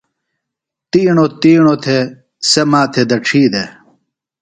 تِیݨوۡ تِیݨوۡ تھےۡ سےۡ ما تھےۡ دڇھی دےۡ۔